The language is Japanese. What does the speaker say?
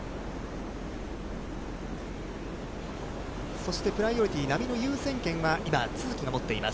そしてプライオリティー、波の優先権は今、都筑が持っています。